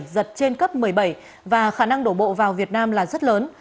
giật trên cấp một mươi bảy và khả năng đổ bộ vào việt nam là rất lớn